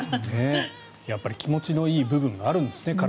やっぱり体に気持ちのいい部分があるんですね